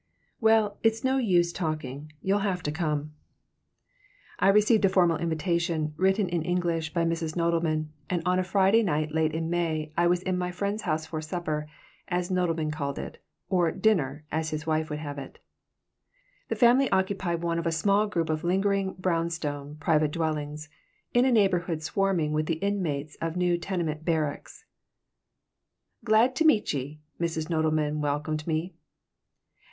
"Well, it's no use talking. You'll have to come." I received a formal invitation, written in English by Mrs. Nodelman, and on a Friday night in May I was in my friend's house for supper, as Nodelman called it, or "dinner," as his wife would have it The family occupied one of a small group of lingering, brownstone, private dwellings in a neighborhood swarming with the inmates of new tenement "barracks." "Glad to meechye," Mrs. Nodelman welcomed me.